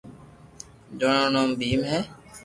چوٿا رو نوم ڀيم ھي